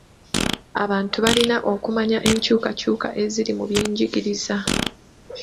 Abantu balina okumanya enkyukakyuka eziri mu byenjigiriza.